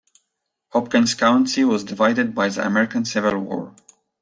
Hopkins County was divided by the American Civil War.